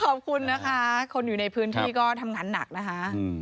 ขอบคุณนะคะคนอยู่ในพื้นที่ก็ทำงานหนักนะคะ